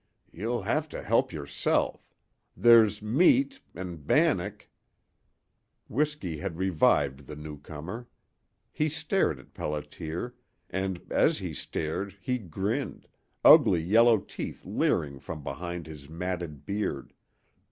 You'll have to help yourself. There's meat 'n' bannock " Whisky had revived the new comer. He stared at Pelliter, and as he stared he grinned, ugly yellow teeth leering from between his matted beard.